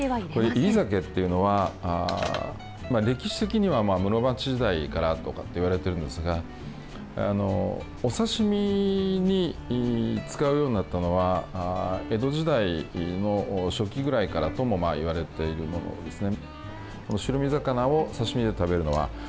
煎り酒というのは歴史的には室町時代からとかっていわれているんですがお刺身に使うようになったのは江戸時代の初期ぐらいからともいわれているものですね。